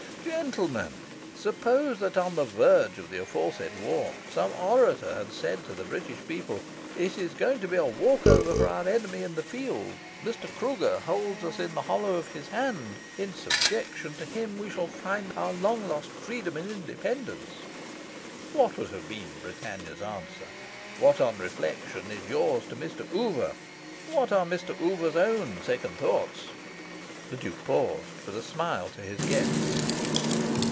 Gentlemen, suppose that on the verge of the aforesaid war, some orator had said to the British people 'It is going to be a walk over for our enemy in the field. Mr. Kruger holds us in the hollow of his hand. In subjection to him we shall find our long lost freedom and independence' what would have been Britannia's answer? What, on reflection, is yours to Mr. Oover? What are Mr. Oover's own second thoughts?" The Duke paused, with a smile to his guest.